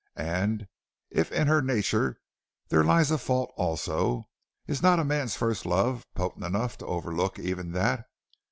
And if in her nature there lies a fault also, is not a man's first love potent enough to overlook even that?